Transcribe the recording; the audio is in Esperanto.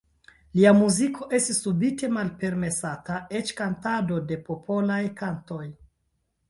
Lia muziko estis subite malpermesata, eĉ kantado de popolaj kantoj.